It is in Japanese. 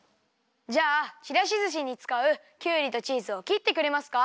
じゃあちらしずしにつかうきゅうりとチーズをきってくれますか？